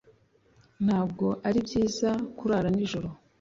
Ntabwo ari byiza kurara nijoro.